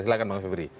silahkan bang febri